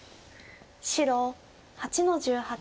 白８の十八ツギ。